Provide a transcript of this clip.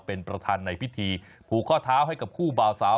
เป็นประธานในพิธีผูกข้อเท้าให้กับคู่บ่าวสาว